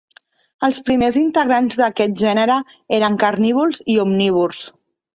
Els primers integrants d'aquest gènere eren carnívors i omnívors.